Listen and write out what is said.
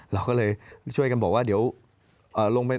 เราก็เลยช่วยกันบอกว่าเดี๋ยวลงไป